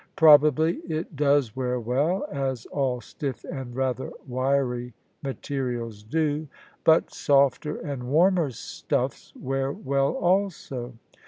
Probably it does wear well, as all stiff and rather wiry materials do: but softer and warmer stuffs wear well also.